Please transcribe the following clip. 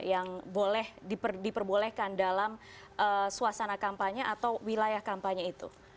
yang boleh diperbolehkan dalam suasana kampanye atau wilayah kampanye itu